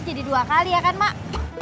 jadi dua kali ya kan mak